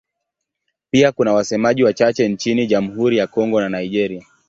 Pia kuna wasemaji wachache nchini Jamhuri ya Kongo na Nigeria.